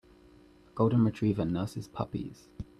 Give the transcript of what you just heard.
A golden retriever nurses puppies.